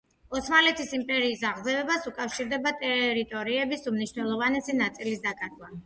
ოსმალეთის იმპერიის აღზევებას უკავშირდება ტერიტორიების უმნიშვნელოვანესი ნაწილის დაკარგვა.